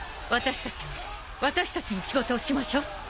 私たちは私たちの仕事をしましょう。